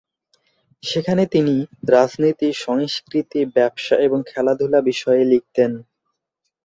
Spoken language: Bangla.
সেখানে তিনি রাজনীতি, সংস্কৃতি, ব্যবসা এবং খেলাধুলা বিষয়ে লিখতেন।